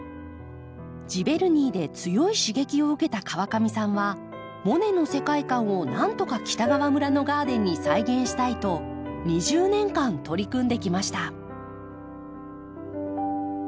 ジヴェルニーで強い刺激を受けた川上さんはモネの世界観をなんとか北川村のガーデンに再現したいと２０年間取り組んできました。